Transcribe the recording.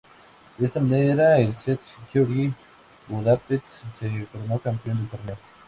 De esta manera el St George-Budapest se coronó campeón del torneo.